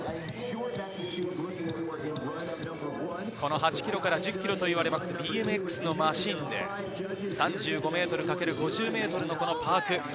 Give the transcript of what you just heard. ８ｋｇから１０ｋｇといわれるＢＭＸのマシンで、３５ｍかける５０ｍのパーク。